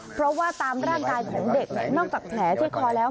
เพราะว่าตามร่างกายของเด็กนอกจากแผลที่คอแล้ว